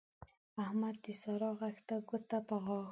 احمد د سارا غږ ته ګوته په غاښ